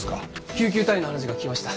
救急隊員の話が聞けました。